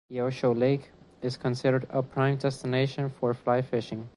Yelcho Lake is considered a prime destination for fly fishing.